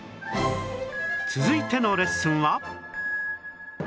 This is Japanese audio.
続いてのレッスンは